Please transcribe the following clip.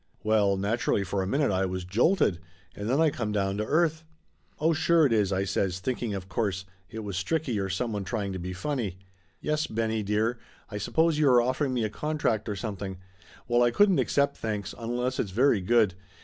Well, naturally for a minute I was jolted and then I come down to earth. "Oh, sure it is !" I says, thinking of course it was Stricky or somebody trying to be funny. "Yes, Benny 182 Laughter Limited dear, I suppose you are offering me a contract or some thing ! Well, I couldn't accept, thanks, unless it's very good.